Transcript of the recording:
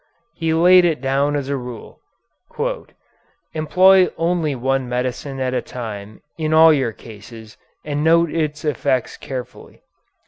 He laid it down as a rule: "Employ only one medicine at a time in all your cases and note its effects carefully."